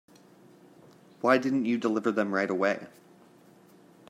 Why didn't you deliver them right away?